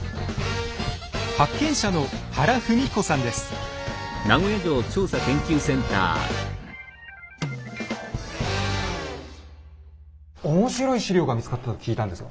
発見者の面白い史料が見つかったと聞いたんですが。